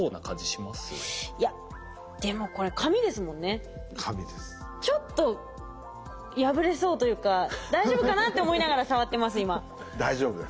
いやでもこれちょっと破れそうというか「大丈夫かな？」って思いながら触ってます